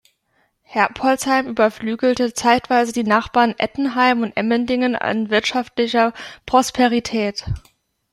Herbolzheim überflügelte zeitweise die Nachbarn Ettenheim und Emmendingen an wirtschaftlicher Prosperität.